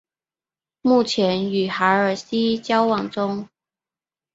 目前与海尔希交往中。